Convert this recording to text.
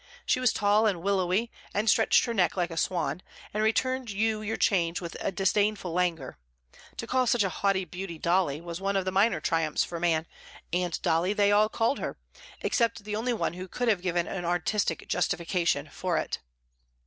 She was tall and willowy, and stretched her neck like a swan, and returned you your change with disdainful languor; to call such a haughty beauty Dolly was one of the minor triumphs for man, and Dolly they all called her, except the only one who could have given an artistic justification for it.